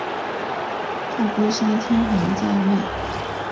后龟山天皇在位。